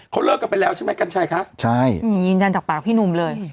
เขาเลิกกันไปแล้วใช่ไหมกัญชัยคะใช่ยืนยันจากปากพี่หนุ่มเลย